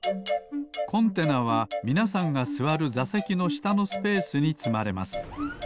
コンテナはみなさんがすわるざせきのしたのスペースにつまれます。